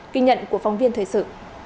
kinh nhận của phóng viên thời sự